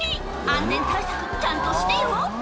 安全対策、ちゃんとしてよ。